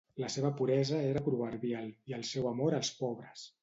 La seva puresa era proverbial, i el seu amor als pobres.